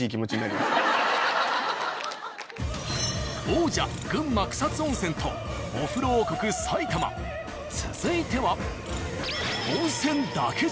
王者群馬・草津温泉とお風呂王国埼玉続いては。